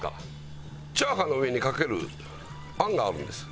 チャーハンの上にかけるあんがあるんです。